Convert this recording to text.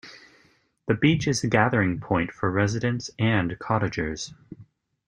The beach is a gathering point for residents and cottagers.